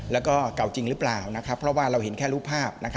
แล้วก็เก่าจริงหรือเปล่าเพราะว่าเราเห็นแค่รูปภาพ